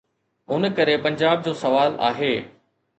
ان ڪري پنجاب جو سوال آهي.